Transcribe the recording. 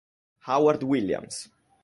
Howard Williams